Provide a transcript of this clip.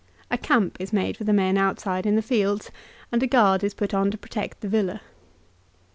A camp is made for the men outside in the fields, and a guard is put on to protect the villa.